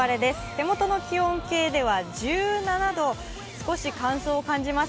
手元の気温計では１７度、少し乾燥を感じます。